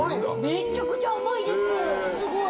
めちゃくちゃ甘いですすごい。